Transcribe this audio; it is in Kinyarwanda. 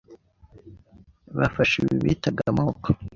bafashe ibi bitaga amoko